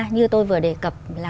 như tôi vừa đề cập là